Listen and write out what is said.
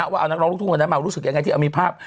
ว่าเอานักร้องลูกทุ่งวันนั้นมารู้สึกยังไงที่เอามีภาพ